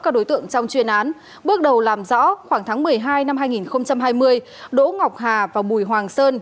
các đối tượng trong chuyên án bước đầu làm rõ khoảng tháng một mươi hai năm hai nghìn hai mươi đỗ ngọc hà và bùi hoàng sơn